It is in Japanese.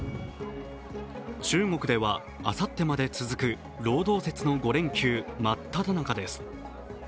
中国ではあさってまで続く労働節の５連休真っただ中です。